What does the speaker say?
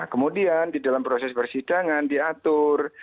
kemudian di dalam proses persidangan diatur